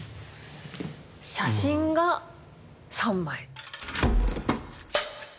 写真が３枚。